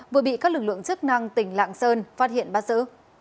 vừa bị các lực lượng chức năng tỉnh lạng sơn phát hiện bắt giữ